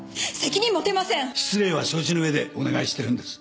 失礼は承知の上でお願いしてるんです。